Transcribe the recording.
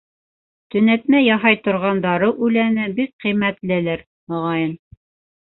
Төнәтмә яһай торған дарыу үләне бик ҡиммәтлелер, моғайын.